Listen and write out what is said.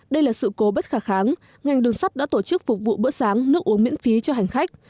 đây là sự cố bất khả kháng ngành đường sắt đã tổ chức phục vụ bữa sáng nước uống miễn phí cho hành khách